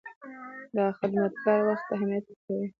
دا خدمتګر وخت ته اهمیت ورکوي.